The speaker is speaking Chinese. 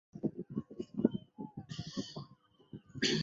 音乐风格的前卫性和多样性在这张专辑很明显。